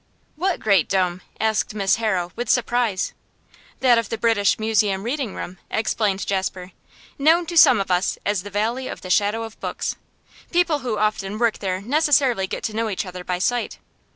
'What great dome?' asked Miss Harrow, with surprise. 'That of the British Museum Reading room,' explained Jasper; 'known to some of us as the valley of the shadow of books. People who often work there necessarily get to know each other by sight.